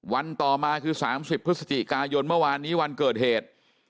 วันต่อมาคือ๓๐พฤศจิกายนเมื่อวานนี้วันเกิดเหตุ